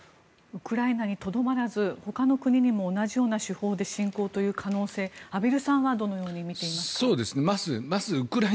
ウクライナにとどまらずほかの国にも同じような手法で侵攻という可能性、畔蒜さんはどのように見ていますか？